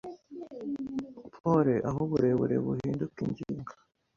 pole aho uburebure buhinduka ingingo.